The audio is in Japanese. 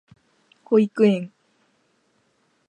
保育園